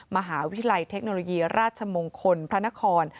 มหาวิทยาลัยเทคโนโลยีราชมงคลพระนคร